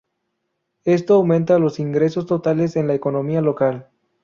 Esto aumenta los ingresos totales en la economía local.